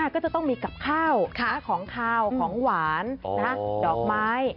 ก็จะต้องมีกับข้าวของขาวของหวานดอกไม้